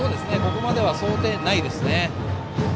ここまでは想定内ですね。